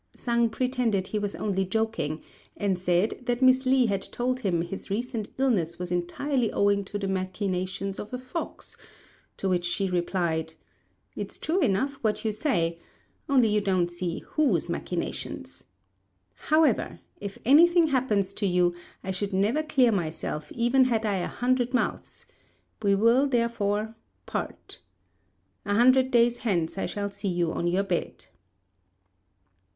Sang pretended he was only joking, and said that Miss Li had told him his recent illness was entirely owing to the machinations of a fox; to which she replied, "It's true enough what you say, only you don't see whose machinations. However, if any thing happens to you, I should never clear myself even had I a hundred mouths; we will, therefore, part. A hundred days hence I shall see you on your bed."